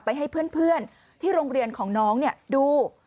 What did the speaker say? ไปให้เพื่อนที่โรงเรียนของน้องดู